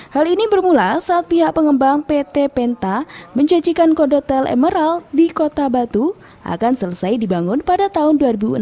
hal ini bermula saat pihak pengembang pt penta menjanjikan kodotel emeral di kota batu akan selesai dibangun pada tahun dua ribu enam belas